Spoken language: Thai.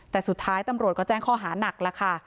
แต่สุดท้ายตำรวจก็แจ้งข้อหานักแล้วค่ะ